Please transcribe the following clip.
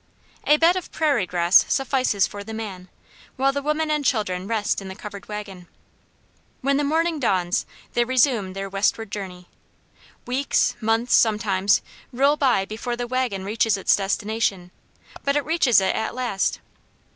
A bed of prairie grass suffices for the man, while the women and children rest in the covered wagon. When the morning dawns they resume their Westward journey. Weeks, months, sometimes, roll by before the wagon reaches its destination; but it reaches it at last.